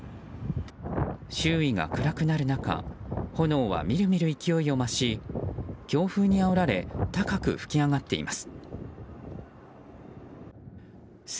周囲が暗くなる中炎はみるみる勢いを増し強風にあおられ高く噴き上がっています。